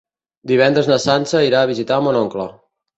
Divendres na Sança irà a visitar mon oncle.